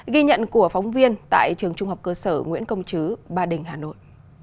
ghi nhận của phóng viên tại trường trung học cơ sở nguyễn công chứ ba đình hà nội